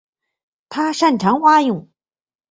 他擅长蛙泳。